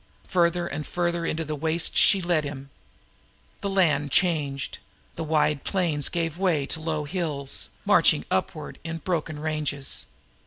Further and further into the wastes she led him, till he saw the wide plains give way to low hills, marching upward in broken ranges.